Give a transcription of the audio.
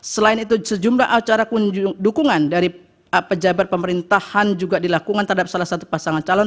selain itu sejumlah acara dukungan dari pejabat pemerintahan juga dilakukan terhadap salah satu pasangan calon